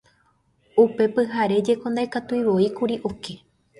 Upe pyhare jeko ndaikatuivoíkuri oke